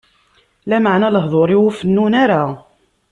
Lameɛna lehduṛ-iw ur fennun ara.